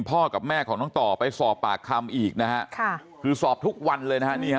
พ่อกับแม่ของต่อไปสอบปากคำอีกนะฮะคือสอบทุกวันเลยนะฮะ